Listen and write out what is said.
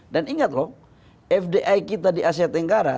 dan ingat loh fdi kita di asia tenggara